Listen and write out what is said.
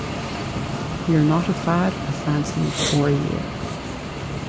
We're not a fad, a fancy, or a year.